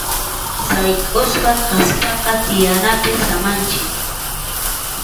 Sayk’usqa kaspaqa tiyanapi samanchik.